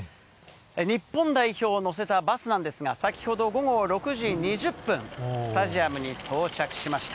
日本代表を乗せたバスなんですが、先ほど午後６時２０分、スタジアムに到着しました。